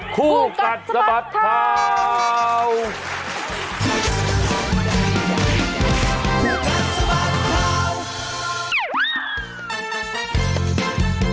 คู่กัดสะบัดเท่าคู่กัดสะบัดเท่า